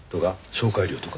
紹介料とか。